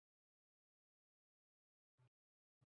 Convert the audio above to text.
黄初元年改为太常。